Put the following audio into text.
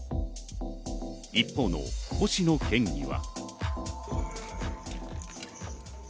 一方の星野県議は。